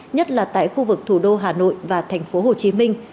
nhất là tại khu vực thủ đô hà nội và thành phố hồ chí minh